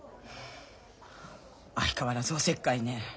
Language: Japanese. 相変わらずおせっかいね。